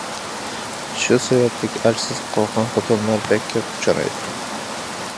شۇ سەۋەبلىك ئەرسىز قالغان خوتۇنلار بەك كۆپ ئۇچرايدۇ.